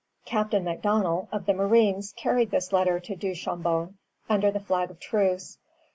Captain M'Donald, of the marines, carried this letter to Duchambon under a flag of truce.